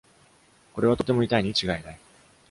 これはとても痛いにちがいない。